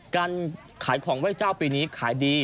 การขายของไหว้เจ้าปีนี้ขายดี